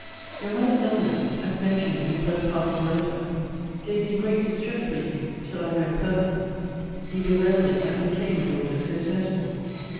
Your mother's illness (as mentioned in the first part of your letter,) gave me great distress for you, till I read farther. You bewailed it as became a daughter so sensible.